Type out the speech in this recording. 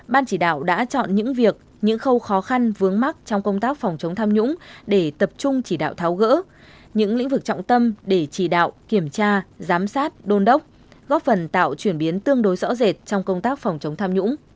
ban chỉ đạo đã chọn những việc những khâu khó khăn vướng mắt trong công tác phòng chống tham nhũng để tập trung chỉ đạo tháo gỡ những lĩnh vực trọng tâm để chỉ đạo kiểm tra giám sát đôn đốc góp phần tạo chuyển biến tương đối rõ rệt trong công tác phòng chống tham nhũng